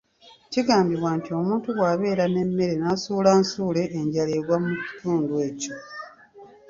Kigambibwa nti omuntu bw'abeera n'emmere n'asuula nsuule, enjala egwa mu kitundu ekyo.